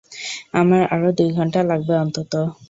আমার আরও দুই ঘন্টা লাগবে, অন্তত।